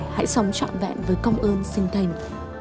hãy sống trọn vẹn với công ơn sinh thành